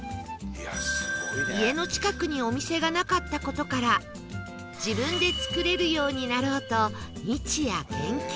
家の近くにお店がなかった事から自分で作れるようになろうと